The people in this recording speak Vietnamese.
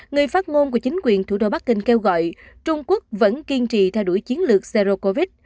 người phát ngôn của chính quyền thủ đô bắc kinh kêu gọi trung quốc vẫn kiên trì theo đuổi chiến lược zero covid